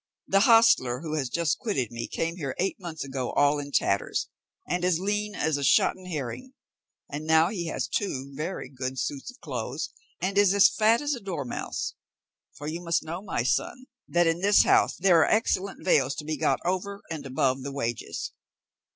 The hostler who has just quitted me came here eight months ago all in tatters, and as lean as a shotten herring, and now he has two very good suits of clothes, and is as fat as a dormouse; for you must know, my son, that in this house there are excellent vails to be got over and above the wages."